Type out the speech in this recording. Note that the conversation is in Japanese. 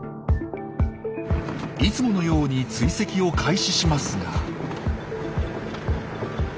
いつものように追跡を開始しますが。